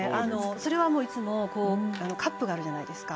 それはもういつもカップがあるじゃないですか。